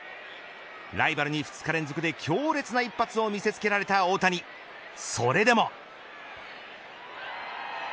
ライバルに２日連続で強烈な一発を見せつけられた大谷それでも。